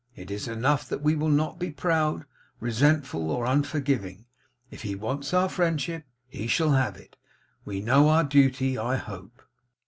It is enough that we will not be proud, resentful, or unforgiving. If he wants our friendship he shall have it. We know our duty, I hope!